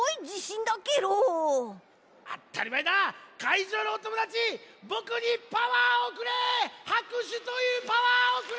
いじょうのおともだちぼくにパワーをくれ！はくしゅというパワーをくれ！